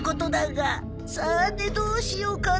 さあてどうしようかな。